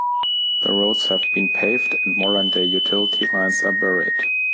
The roads have been paved, and modern-day utility lines are buried.